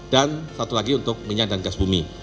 dan satu lagi untuk minyak dan gas bumi